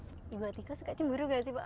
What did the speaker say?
ibu atika suka cemburu gak sih pak